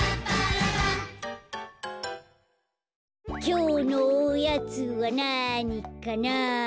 きょうのおやつはなにかな？